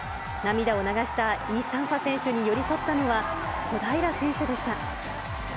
涙を流したイ・サンファ選手に寄り添ったのは、小平選手でした。